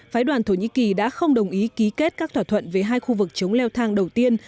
phái đoàn thổ nhĩ kỳ đã không đồng ý ký kết các thỏa thuận về hai khu vực chống leo thang đầu tiên